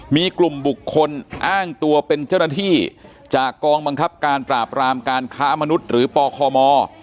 มีกลุ่มบุคคลอ้างตัวเป็นเจ้าหน้าที่จากกองบังคับการปราบรามการค้ามนุษย์หรือปคม